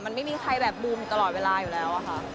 มันไม่มีใครแบบบูมอยู่ตลอดเวลาอยู่แล้วอะค่ะ